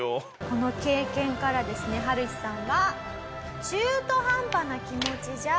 この経験からですねハルヒさんは。